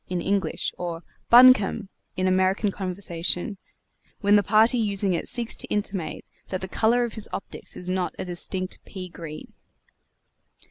in English, or "Buncombe!" in American conversation, when the party using it seeks to intimate that the color of his optics is not a distinct pea green!